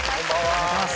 お願いします